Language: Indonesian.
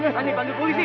bisa dibantu polisi